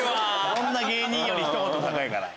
どんな芸人よりひと言高いから。